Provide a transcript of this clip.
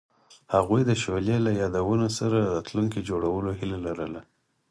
هغوی د شعله له یادونو سره راتلونکی جوړولو هیله لرله.